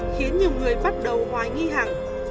khiến nhiều người bắt đầu hoài nghi hằng